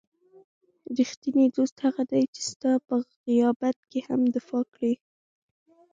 رښتینی دوست هغه دی چې ستا په غیابت کې هم دفاع کړي.